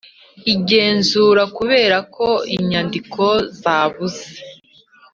Igenzura Kubera ko inyandiko zabuze